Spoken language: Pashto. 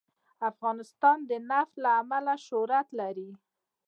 افغانستان د نفت له امله شهرت لري.